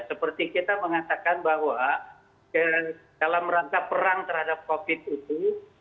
seperti kita mengatakan bahwa dalam rangka perang terhadap covid itu